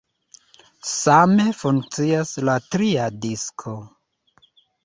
Same funkcias la tria disko.